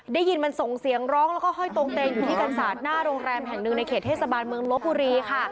ได้ยินมันส่งเสียงร้องแล้วก็ห้อยตรงเต็งอยู่ที่กันศาสตร์หน้าโรงแรมแห่งหนึ่งในเขตเทศบาลเมืองลบบุรีค่ะ